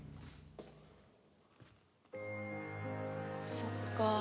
そっか。